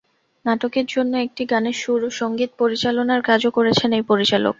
নাটকের জন্য একটি গানের সুর ও সংগীত পরিচালনার কাজও করেছেন এই পরিচালক।